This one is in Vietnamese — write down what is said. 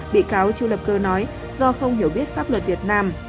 bị cáo chu lập cơ nói do không hiểu biết pháp luật việt nam